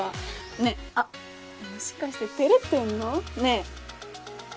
ねぇあっもしかして照れてんの？ねぇ。